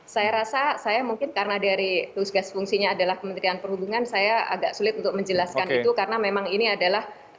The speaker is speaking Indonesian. saya rasa saya mungkin karena dari tugas fungsinya adalah kementerian perhubungan saya agak sulit untuk menjelaskan itu karena memang ini adalah